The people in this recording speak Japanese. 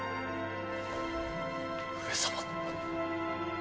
上様！